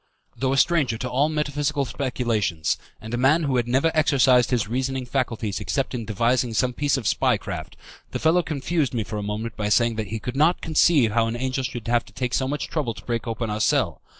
Though a stranger to all metaphysical speculations, and a man who had never exercised his reasoning faculties except in devising some piece of spy craft, the fellow confused me for a moment by saying that he could not conceive how an angel should have to take so much trouble to break open our cell.